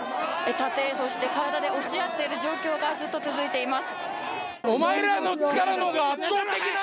盾、そして体で押し合っている状況がずっと続いています。